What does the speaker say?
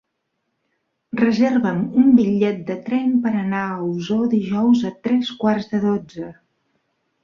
Reserva'm un bitllet de tren per anar a Osor dijous a tres quarts de dotze.